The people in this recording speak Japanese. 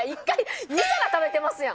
２皿食べてますやん。